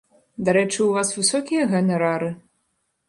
Дарэчы, у вас высокія ганарары?